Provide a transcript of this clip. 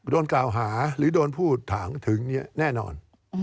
โดนกล่าวหาหรือโดนพูดถางถึงแน่นอน